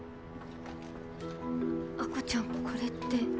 亜子ちゃんこれって。